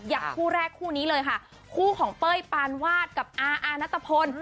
คู่แรกคู่นี้เลยค่ะคู่ของเป้ยปานวาดกับอาณัตภพล